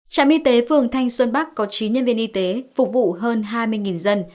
trạm y tế phường thanh xuân bắc có chín nhân viên y tế phục vụ hơn hai mươi dân